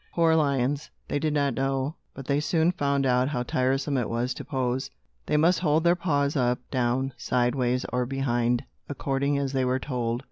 Poor lions! They did not know, but they soon found out how tiresome it was to pose. They must hold their paws up, down, sideways or behind, according as they were told.